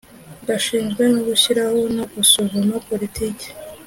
gashinzwe gushyiraho no gusuzuma politiki